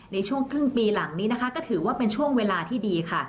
ในช่วงครึ่งปีหลังนี้นะคะก็ถือว่าเป็นช่วงเวลาที่ดีค่ะ